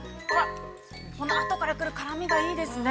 この後から来る辛みがいいですね。